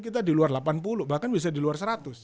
kita di luar delapan puluh bahkan bisa di luar seratus